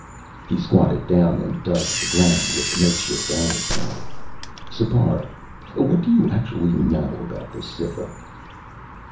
He squatted down and dug at the ground with the makeshift arrow point. "Sipar, what do you actually know about the Cytha?"